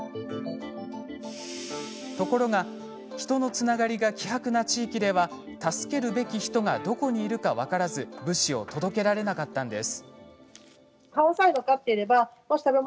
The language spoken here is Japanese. ところが、人のつながりが希薄な地域では助けるべき人がどこにいるか分からず物資を届けられなかったんです。